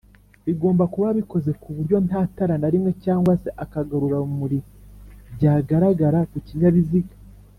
bigomba kuba bikoze kuburyo ntatara narimwe cg se akagarurarumuri byagaragara kukinyabiziga